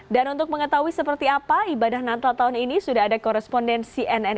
dan untuk mengetahui seperti apa ibadah natal tahun ini sudah ada korespondensi nnn